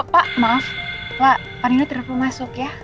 pak maaf pak panino terlalu masuk ya